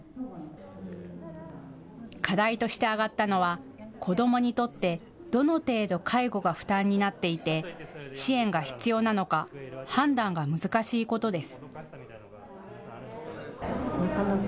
課題として上がったのは子どもにとってどの程度、介護が負担になっていて支援が必要なのか判断が難しいことです。